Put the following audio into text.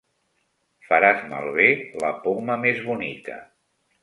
Faràs malbé la poma més bonica.